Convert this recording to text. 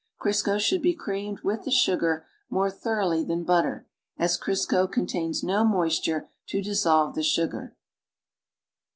Crisco should be creamed with the .sugar more thoroughly than butter, as Crisco contains no moisture to dissolve the sugar.